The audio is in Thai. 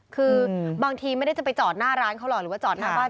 คือบางทีไม่ได้จะไปจอดหน้าร้านเขาหรอกหรือว่าจอดหน้าบ้าน